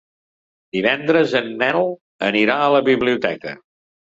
Divendres en Nel anirà a la biblioteca.